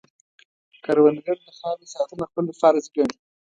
کروندګر د خاورې ساتنه خپله فرض ګڼي